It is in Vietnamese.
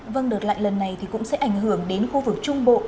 vâng đợt lạnh lần này thì cũng sẽ ảnh hưởng đến khu vực trung bộ